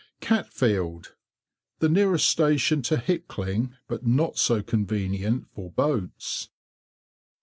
CATFIELD. The nearest station to Hickling, but not so convenient for boats.